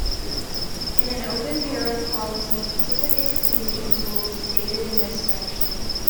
In an open perils policy, specific exclusions will be stated in this section.